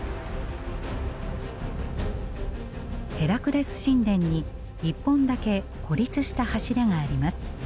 ヘラクレス神殿に一本だけ孤立した柱があります。